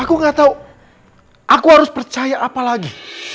aku gak tahu aku harus percaya apa lagi